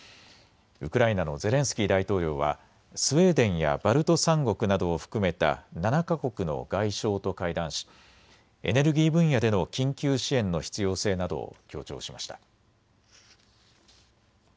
ウクライナのゼレンスキー大統領はスウェーデンやバルト３国などを含めた７か国の外相と会談しエネルギー分野での緊急支援の必要性などを強調しました。